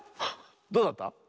どうだった？